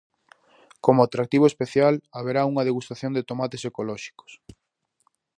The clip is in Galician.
Como atractivo especial haberá unha degustación de tomates ecolóxicos.